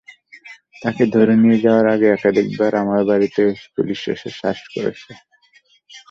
তাঁকে ধরে নিয়ে যাওয়ার আগে একাধিকবার আমার বাড়িতে পুলিশ এসে সার্চ করেছে।